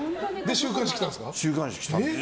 週刊誌が来たんです。